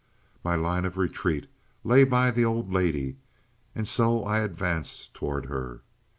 My line of retreat lay by the old lady, and so I advanced toward her.